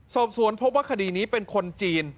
สอบสวนพบว่าคดีนี้เป็นคนจีน